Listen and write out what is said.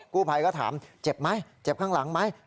กู้ภัยก็ถามเจ็บไหมเจ็บข้างหลังไหม